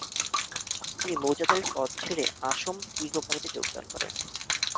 তিনি মৌজাদারের পদ ছেড়ে অসম টি কম্পানীতে যোগদান করেন।